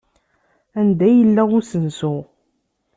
Anda yella usensu?